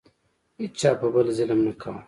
هیچا په بل ظلم نه کاوه.